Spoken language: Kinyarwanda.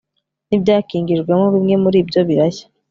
n'ibyakinjijwemo, bimwe muri byo birashya